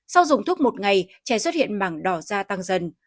sau dùng thuốc một ngày trẻ xuất hiện mảng đỏ da tăng dần